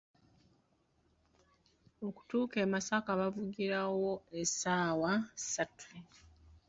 Okutuuka e Masaka bavugirawo essaawa ssatu.